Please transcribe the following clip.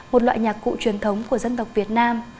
một loại nhạc cụ truyền thống của dân tộc việt nam